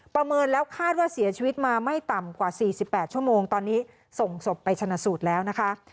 เมินแล้วคาดว่าเสียชีวิตมาไม่ต่ำกว่า๔๘ชั่วโมงตอนนี้ส่งศพไปชนะสูตรแล้วนะคะ